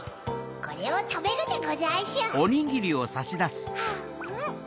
これをたべるでござんしゅ。